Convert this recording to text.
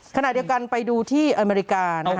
ขณะเดียวกันไปดูที่อเมริกา